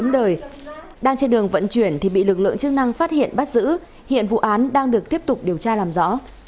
đang trên đường vận chuyển thì bị lực lượng chức năng phát hiện bắt giữ hiện vụ án đang được tiếp tục điều tra làm rõ